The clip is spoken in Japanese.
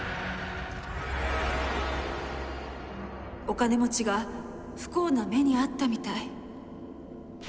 お金持ちが不幸な目に遭ったみたい。